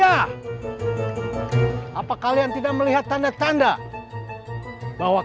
apa kau tidak melihat tanda tandanya